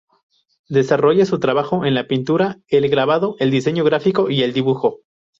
Desarrolla su trabajo en la pintura, el grabado, el diseño gráfico y el dibujo.